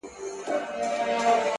نو په سندرو کي به تا وينمه؛